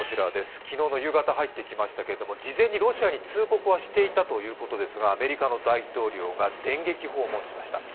昨日の夕方入ってきましたけれども、事前にロシアに通告はしていたということですがアメリカの大統領が電撃訪問しました。